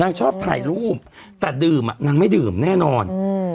นักชอบถ่ายรูปแต่ดื่มนักไม่ดื่มแน่นอน